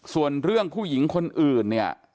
ส่วนเรื่องผู้หญิงคนอื่นเนี่ย